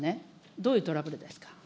どういうトラブルですか。